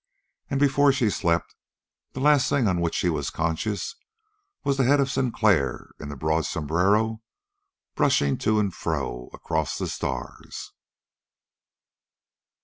And, before she slept, the last thing of which she was conscious was the head of Sinclair in the broad sombrero, brushing to and fro across the stars.